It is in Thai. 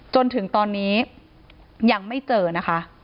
จนถึงตอนนี้ยังไม่เจอนะคะ